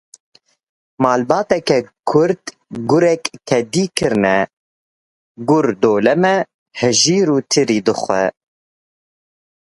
Malbateke Kurd gurek kedî kirine; Gur dolme, hejîr û tirî dixwe.